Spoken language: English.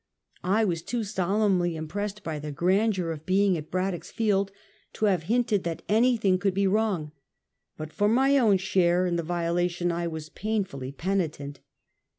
I was too solemnly impressed by the grandeur of being at Brad dock's Field to have hinted that anything could be wrong. But for my own share in the violation I was painfully penitent.